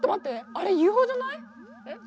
あれＵＦＯじゃない？えっ？